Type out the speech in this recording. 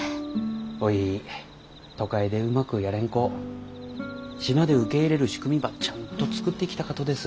おい都会でうまくやれん子島で受け入れる仕組みばちゃんと作っていきたかとです。